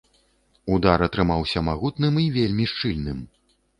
Удар атрымаўся магутным і вельмі шчыльным.